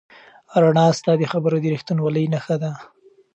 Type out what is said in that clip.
رڼا ستا د خبرو د رښتینولۍ نښه ده.